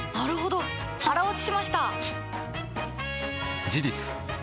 腹落ちしました！